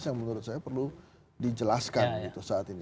yang menurut saya perlu dijelaskan saat ini